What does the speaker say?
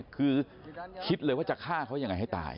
คือคิดเลยว่าจะฆ่าเขายังไงให้ตาย